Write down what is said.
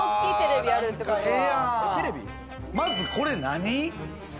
まず、これ何？